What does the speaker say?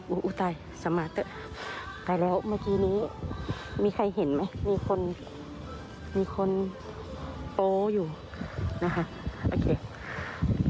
อุ้ตายสมัติตายแล้วเมื่อกี้นี้มีใครเห็นไหมมีคนมีคนโตอยู่นะฮะ